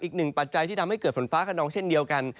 อีกหนึ่งปัจจัยที่ทำให้เกิดฝนฟ้ากระนองเช่นเดียวกัน